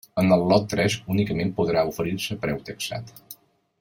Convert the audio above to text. En el lot tres únicament podrà oferir-se preu taxat.